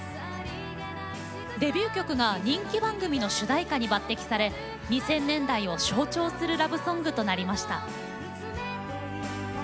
デビュー曲が人気番組の主題歌に抜てきされ２０００年代を象徴するラブソングとなりました。